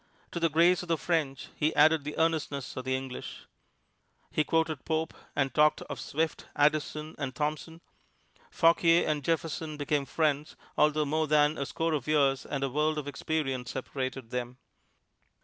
To the grace of the French he added the earnestness of the English. He quoted Pope, and talked of Swift, Addison and Thomson. Fauquier and Jefferson became friends, although more than a score of years and a world of experience separated them.